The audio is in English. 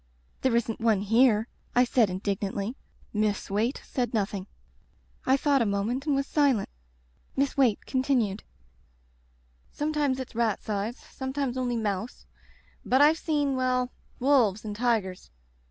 '* "There isn't one here," I said indignantly. Miss Waite said nothing. I thought a moment and was silent. Miss Waite continued: "Sometimes it's rat size — sometimes only mouse. But I've seen — ^well — ^wolves and tigers.